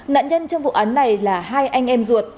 nạn nhân trong vụ án này là hai anh em ruột